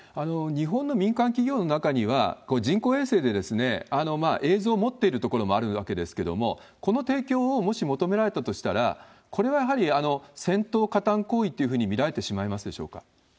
日本の民間企業の中には、人工衛星で映像を持ってるところもあるわけですけれども、この提供をもし求められたとしたら、これはやはり戦闘加担行為というふうに見られてしまいますでしょ